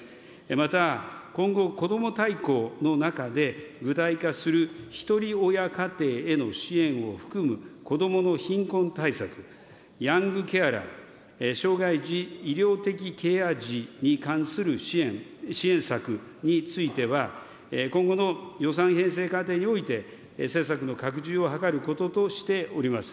また今後、こども大綱の中で、具体化するひとり親家庭への支援を含む子どもの貧困対策、ヤングケアラー、障がい児、医療的ケア児に関する支援策については、今後の予算編成過程において政策の拡充を図ることとしております。